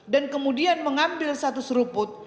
dan kemudian mengambil satu seruput